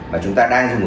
mà chúng ta đang dùng